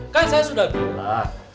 kan saya sudah bilang